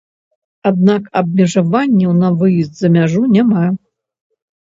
Аднак абмежаванняў на выезд за мяжу няма.